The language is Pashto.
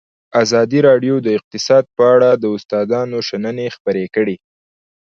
ازادي راډیو د اقتصاد په اړه د استادانو شننې خپرې کړي.